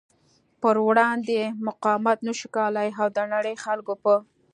پر وړاندې مقاومت نشو کولی او د نړۍ خلکو په